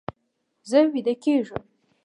زه ویده کیږم